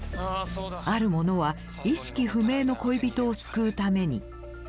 ある者は意識不明の恋人を救うために。